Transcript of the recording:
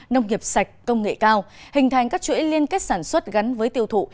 nông nghiệp sạch công nghệ cao hình thành các chuỗi liên kết sản xuất gắn với tiêu thụ